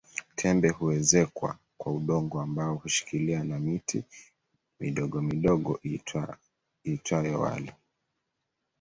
Tembe huezekwa kwa udongo ambao hushikiliwa na miti midogomidogo iitwayo walo